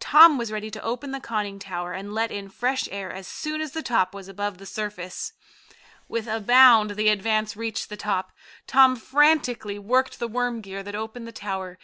Tom was ready to open the conning tower and let in fresh air as soon as the top was above the surface. With a bound the Advance reached the top. Tom frantically worked the worm gear that opened the tower.